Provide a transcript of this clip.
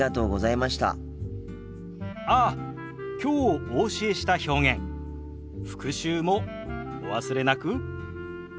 ああきょうお教えした表現復習もお忘れなく。